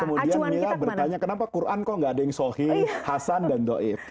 kemudian mila bertanya kenapa quran kok gak ada yang sohi hasan dan do'if